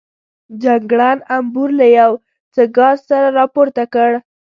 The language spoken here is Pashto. جګړن امبور له یو څه ګاز سره راپورته کړ.